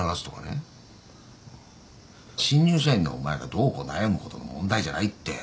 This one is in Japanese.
新入社員のお前がどうこう悩むほどの問題じゃないって。